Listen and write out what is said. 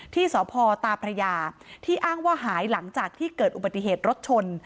ที่สพตาพระยาที่อ้างว่าหายหลังจากที่เกิดอุบัติเหตุรถชน